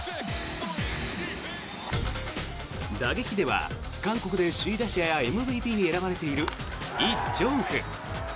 打撃では韓国で首位打者やＭＶＰに選ばれているイ・ジョンフ。